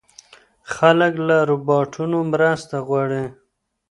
خلک له روباټونو مرسته غواړي.